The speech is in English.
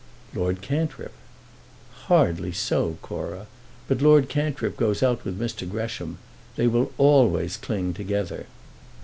"Lord Cantrip." "Hardly so, Cora. But Lord Cantrip goes out with Mr. Gresham. They will always cling together."